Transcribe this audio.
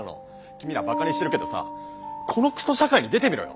君らバカにしてるけどさこのクソ社会に出てみろよ！